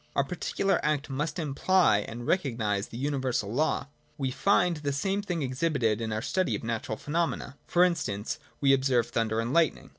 Our particular act must imply and recognise the universal law. — We find the same thing exhibited in our study of natural phenomena. For instance, we observe thunder and lightning.